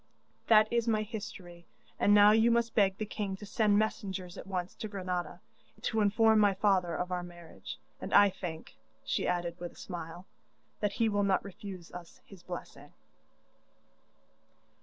'That is my history, and now you must beg the king to send messengers at once to Granada, to inform my father of our marriage, and I think,' she added with a smile, 'that he will not refuse us his blessing.